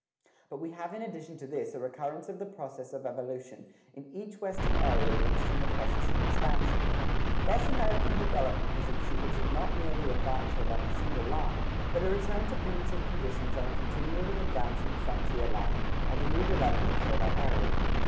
But we have in addition to this a recurrence of the process of evolution in each western area reached in the process of expansion. Thus American development has exhibited not merely advance along a single line, but a return to primitive conditions on a continually advancing frontier line, and a new development for that area.